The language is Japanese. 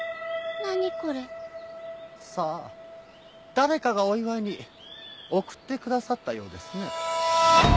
誰かがお祝いに贈ってくださったようですね。